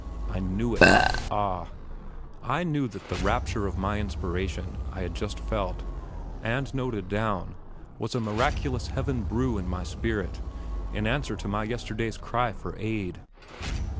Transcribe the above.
I knew it; ah! I knew that the rapture of inspiration I had just felt and noted down was a miraculous heaven brew in my spirit in answer to my yesterday's cry for aid.